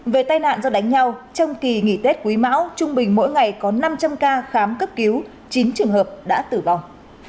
về tai nạn do đánh nhau trong kỳ nghỉ tết quý mão trung bình mỗi ngày có năm trăm linh ca khám cấp cứu chín trường hợp đã tử vong